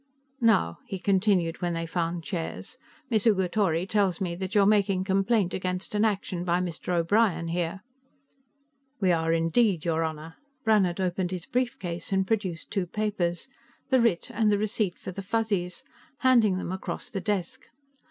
"Now," he continued, when they found chairs, "Miss Ugatori tells me that you are making complaint against an action by Mr. O'Brien here." "We are indeed, your Honor." Brannhard opened his briefcase and produced two papers the writ, and the receipt for the Fuzzies, handing them across the desk.